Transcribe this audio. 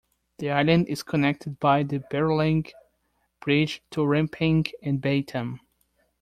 The island is connected by the Barelang Bridge to Rempang and Batam.